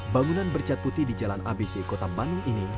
bangunan bercat putih di jalan abc kota bandung ini